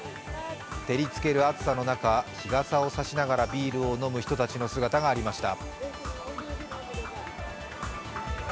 照りつける暑さの中、日傘を差しながらビールを飲む人たちの姿がありました。